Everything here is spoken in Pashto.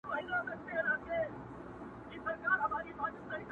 تا ول زه به یارته زولنې د کاکل واغوندم ,